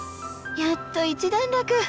やっと一段落。